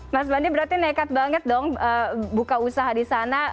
mas bandi berarti nekat banget dong buka usaha di sana